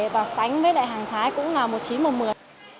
với lại hàng thái cũng là một chí một mười